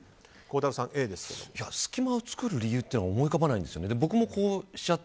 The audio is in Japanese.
隙間を作る理由が思い浮かばないんですよね。